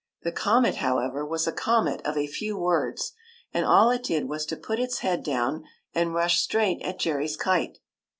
The comet, however, was a comet of a few words ; and all it did was to put its head down and rush straight at Jerry's kite.